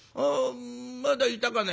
まだいたかね？」。